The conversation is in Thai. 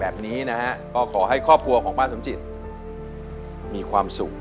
แบบนี้นะฮะก็ขอให้ครอบครัวของป้าสมจิตมีความสุข